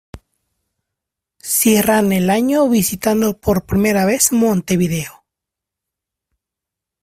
Cierran el año visitando por primera vez Montevideo.